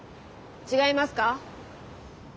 違いますか？